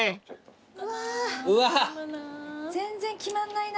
うわ全然決まんないな。